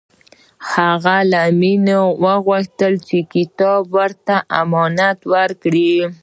هغه له مینې وغوښتل چې کتاب ورته امانت ورکړي